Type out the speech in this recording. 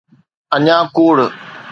اڃا ڪوڙ.